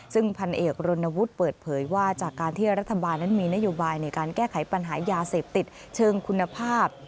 ซึ่งพันเอกรณวุฒิเปิดเผยว่าจากการที่รัฐบาลนั้นมีนโยบายในการแก้ไขปัญหายาเสพติดเชิงคุณภาพ